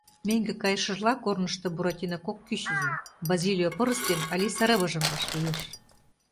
Мӧҥгӧ кайышыжла корнышто Буратино кок кӱчызым — Базилио пырыс ден Алиса рывыжым – вашлиеш.